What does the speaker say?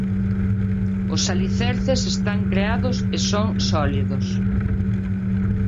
Os alicerces están creados e son sólidos.